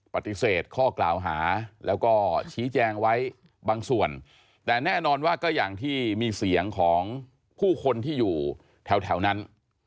ปฏิเสธข้อกล่าวหาแล้วก็ชี้แจงไว้บางส่วนแต่แน่นอนว่าก็อย่างที่มีเสียงของผู้คนที่อยู่แถวนั้น